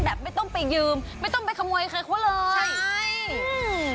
แบบไม่ต้องไปยืมไม่ต้องไปขโมยใครเขาเลยใช่อืม